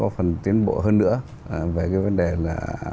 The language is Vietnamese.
về cái vấn đề là